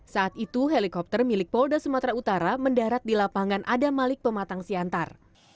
saat itu helikopter milik polda sumatera utara mendarat di lapangan adamalik pematang siantar